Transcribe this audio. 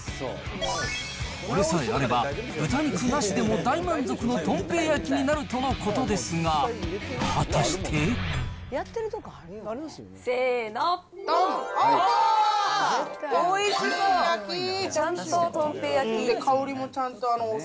これさえあれば、豚肉なしでも大満足のとん平焼きになるとのことですが、果たしてせーの、おー！